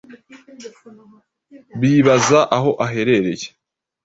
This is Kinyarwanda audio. bibaza aho aherereye.